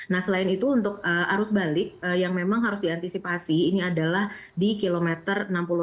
nah selain itu untuk arus balik yang memang harus diantisipasi ini adalah di kilometer enam puluh empat